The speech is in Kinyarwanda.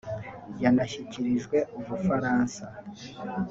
yanashyikirijwe u Bufaransa